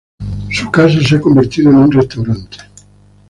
Su casa se ha convertido en un restaurante.